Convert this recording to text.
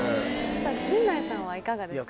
陣内さんはいかがですか？